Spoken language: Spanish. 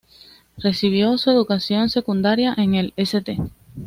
Recibió su educación secundaria en el St.